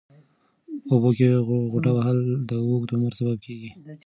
په اوبو کې غوټه وهل د اوږد عمر سبب کېږي.